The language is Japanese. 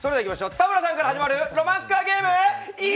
田村さんから始まるロマンスカーゲーム。